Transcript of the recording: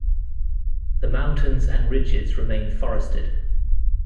The mountains and ridges remain forested.